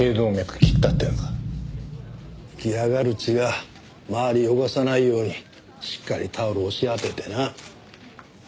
噴き上がる血が周りを汚さないようにしっかりタオル押し当ててな。